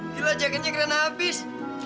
gila jaganya keren abis